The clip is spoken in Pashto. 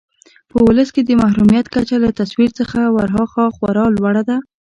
په ولس کې د محرومیت کچه له تصور څخه ورهاخوا لوړه ده.